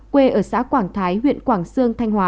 quê ở xã quảng thái huyện quảng sương thanh hóa